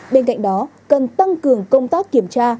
bên cạnh đó cần tăng cường công tác kiểm tra